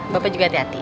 bapak juga hati hati